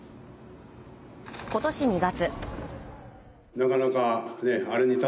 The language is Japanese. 今年２月。